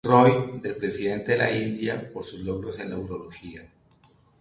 Roy del presidente de la India por sus logros en la urología.